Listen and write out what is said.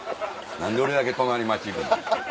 何で俺だけ隣町行くねん？